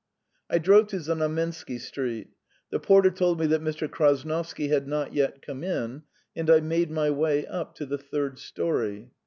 I drove to Znamensky Street. The porter told me that Mr. Krasnovsky had not yet come in, and I made my way up to the third storey.